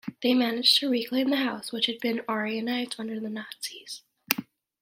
They managed to reclaim the house, which had been "aryanised" under the Nazis.